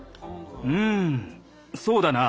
うんそうだなあ。